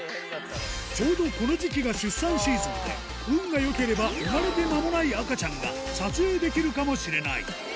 ちょうどこの時期が出産シーズンで、運がよければ、生まれて間もない赤ちゃんが撮影できるかもしれない。